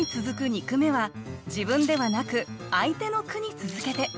二句目は自分ではなく相手の句に続けて。